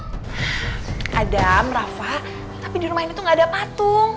adam rafa tapi di rumah ini tuh gak ada patung